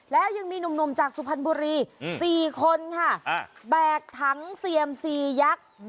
แล้วยังมีหนุ่มจากสุพรรณบุรี๔คนค่ะแบกถังเซียมซียักษ์